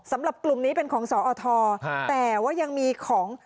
สำหรับกลุ่มนี้เป็นของสอทแต่ว่ายังมีของ